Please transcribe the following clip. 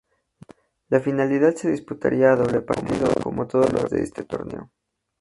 La final se disputaría a doble partido, como todos los de este torneo.